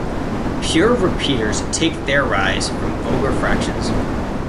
Pure repeaters take their rise from vulgar fractions.